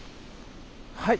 はい。